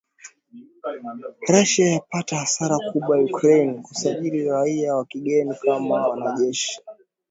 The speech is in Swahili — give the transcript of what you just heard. Russia yapata hasara kubwa Ukraine, kusajili raia wa kigeni kama wanajeshi